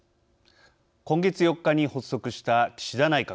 今月４日に発足した岸田内閣。